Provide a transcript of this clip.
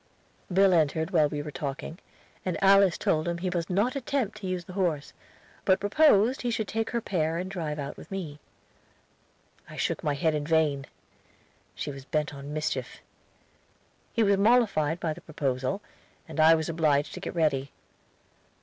Bill entered while we were talking, and Alice told him he must not attempt to use the horse, but proposed he should take her pair and drive out with me. I shook my head in vain; she was bent on mischief. He was mollified by the proposal, and I was obliged to get ready.